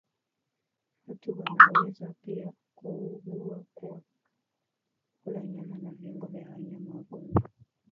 watu wanaweza pia kuugua kwa kula nyama na viungo vya wanyama wagonjwa